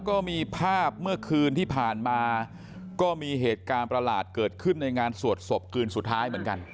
ก็มีภาพเมื่อคืนที่ผ่านมาก็มีเหตุการณ์ประหลาดเกิดขึ้นในงานสวดศพคืนสุดท้ายเหมือนกัน